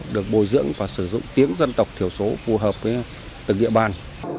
được bồi dưỡng và sử dụng tiếng dân tộc thiểu số phù hợp với từng địa bàn